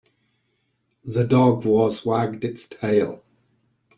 The dog was wagged its tail.